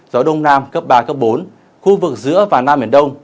gió đông nam cấp ba bốn khu vực giữa và nam biển đông